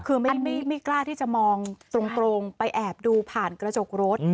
คือไม่กล้าที่จะมองตรงไปแอบดูผ่านกระจกรถ